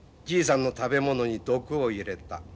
じいさんの食べ物に毒を入れた。